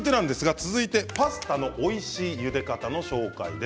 続いてパスタのおいしいゆで方です。